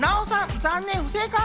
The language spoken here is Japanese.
残念、不正解。